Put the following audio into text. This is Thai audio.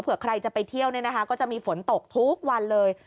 ใครจะไปเที่ยวก็จะมีฝนตกทุกวันเลย